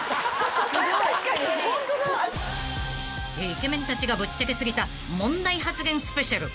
［イケメンたちがぶっちゃけ過ぎた問題発言スペシャル］